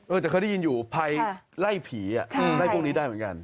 เออแต่เขาได้ยินอยู่ไพร่ไล่ผีไล่พวกนี้ได้เหมือนกัน